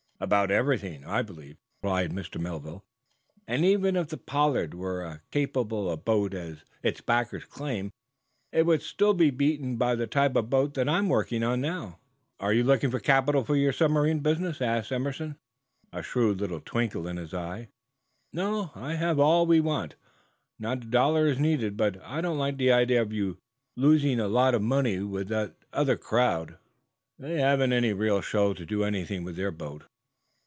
"About everything, I believe," replied Mr. Melville. "And, even if the 'Pollard' were a capable a boat as its backers claim, it would still be beaten by the type of boat that I am now working on." "Are you looking for capital for your submarine business?" asked Broughton Emerson, a shrewd little twinkle in his eyes. "No; I have all we want. Not a dollar is needed, but I don't like the idea of your losing a lot of money with that other crowd. They haven't any real show to do anything with their boat."